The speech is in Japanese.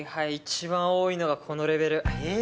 一番多いのがこのレベル。え？